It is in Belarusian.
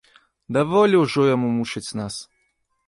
Даволі ўжо яму мучыць нас!